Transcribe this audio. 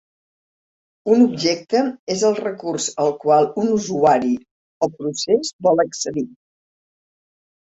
Un objecte és el recurs al qual un usuari o procés vol accedir.